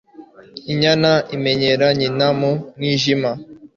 Inyana imenyera nyina mu mwijima